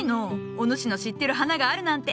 お主の知ってる花があるなんて。